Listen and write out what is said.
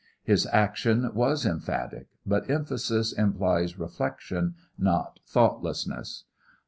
His action was emphatic, but emphasis implies reflection not thoughtlessness.